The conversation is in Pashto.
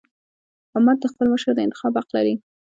امت د خپل مشر د انتخاب حق لري.